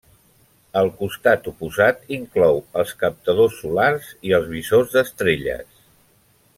El costat oposat inclou els captadors solars i els visors d'estrelles.